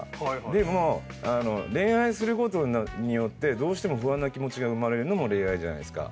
でも恋愛する事によってどうしても不安な気持ちが生まれるのも恋愛じゃないですか。